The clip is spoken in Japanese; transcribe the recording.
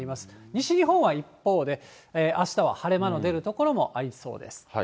西日本は一方で、あしたは晴れ間の出る所もありそうです。